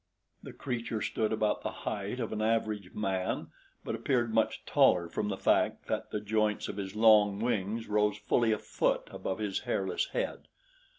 The creature stood about the height of an average man but appeared much taller from the fact that the joints of his long wings rose fully a foot above his hairless head.